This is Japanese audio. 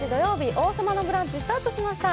「王様のブランチ」スタートしました。